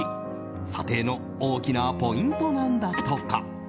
査定の大きなポイントなんだとか。